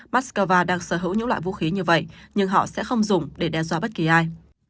moscow đang sở hữu những loại vũ khí như vậy nhưng họ sẽ không dùng để đe dọa bất kỳ ai